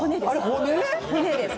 骨です。